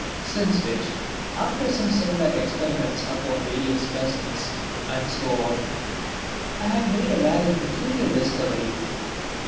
Since which, after some similar experiments upon various peasants, &c., I have made a rather peculiar discovery.